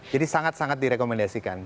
jadi sangat sangat direkomendasikan